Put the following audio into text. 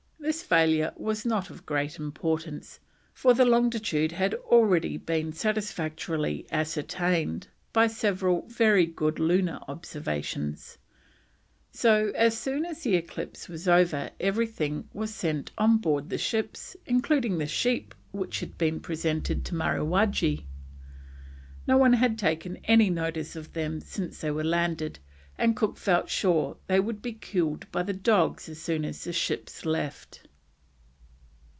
This failure was not of great importance, for the longitude had already been satisfactorily ascertained by several very good lunar observations, so as soon as the eclipse was over everything was sent on board the ships, including the sheep which had been presented to Mariwaggee. No one had taken any notice of them since they were landed, and Cook felt sure they would be killed by the dogs as soon as the ships left.